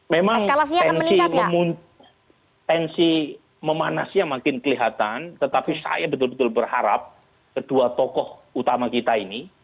memang tensi memanasnya makin kelihatan tetapi saya betul betul berharap kedua tokoh utama kita ini